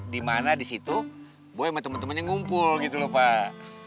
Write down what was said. di mana di situ boy sama temen temennya ngumpul gitu loh pak